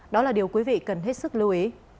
đó là điều quý vị cần hết sức lưu ý